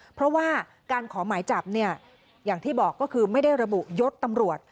เพราะว่าการขอหมายจับเนี่ยอย่างที่บอกก็คือไม่ได้ระบุยศตำรวจ